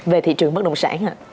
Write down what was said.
về thị trường bất động sản ạ